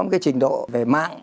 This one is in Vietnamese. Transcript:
một cái trình độ về mạng